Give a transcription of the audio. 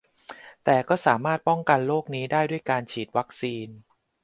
แต่ก็สามารถป้องกันโรคนี้ได้ด้วยการฉีดวัคซีน